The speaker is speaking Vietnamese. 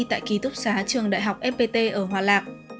tại ký túc xá trường đại học fpt ở hòa lạc